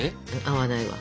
合わないわ。